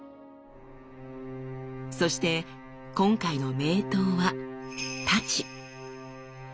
そして今回の名刀は太刀。